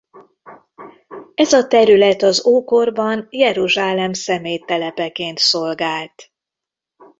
Ez a terület az ókorban Jeruzsálem szeméttelepeként szolgált.